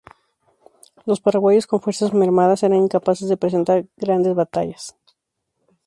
Los paraguayos, con fuerzas mermadas, eran incapaces de presentar grandes batallas.